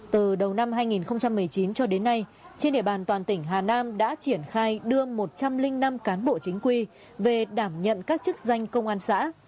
từ đầu năm hai nghìn một mươi chín cho đến nay trên địa bàn toàn tỉnh hà nam đã triển khai đưa một trăm linh năm cán bộ chính quy về đảm nhận các chức danh công an xã